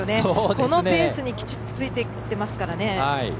このペースにきちっとついていっていますから。